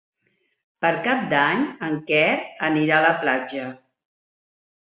Per Cap d'Any en Quer anirà a la platja.